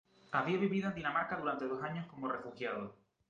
Había vivido en Dinamarca durante dos años como refugiado.